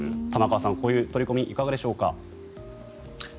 玉川さん、こういう取り組みいかがでしょうか。